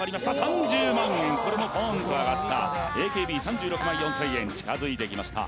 これもポンと上がったＡＫＢ３６万４０００円近づいてきました